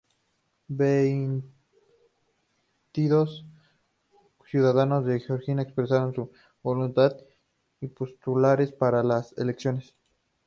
Veintidós ciudadanos de Georgia expresaron su voluntad de postularse para las elecciones.